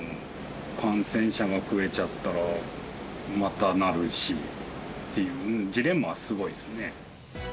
感染者が増えちゃったら、またなるしっていう、ジレンマはすごいですね。